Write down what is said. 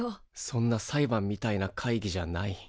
そんな裁判みたいな会議じゃない。